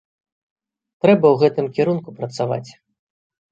Трэба ў гэтым кірунку працаваць.